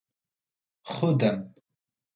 خودم